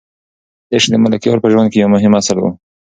عشق د ملکیار په ژوند کې یو مهم اصل و.